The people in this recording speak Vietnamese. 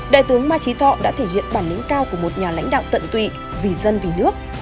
đại tướng ma trí thọ đã thể hiện bản lĩnh cao của một nhà lãnh đạo tận tụy vì dân vì nước